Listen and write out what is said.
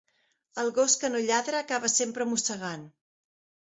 El gos que no lladra acaba sempre mossegant.